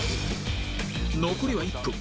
残りは１分